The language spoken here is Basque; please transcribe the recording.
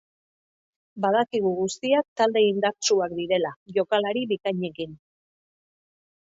Badakigu guztiak talde indartsuak direla, jokalari bikainekin.